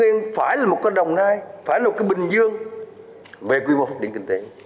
hưng yên phải là một con đồng nai phải là một cái bình dương về quy mô phát triển kinh tế